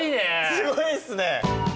すごいっすね。